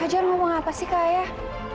fajar ngomong apa sih kak ayah